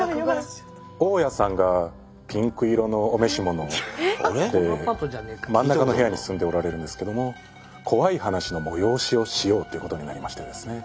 大家さんがピンク色のお召し物で真ん中の部屋に住んでおられるんですけども怖い話の催しをしようということになりましてですね。